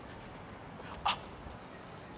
あっ。